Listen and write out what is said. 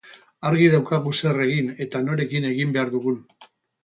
Argi daukagu zer egin eta norekin egin behar dugun.